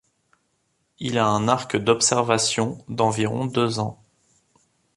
Il a un arc d'observation d'environ deux ans.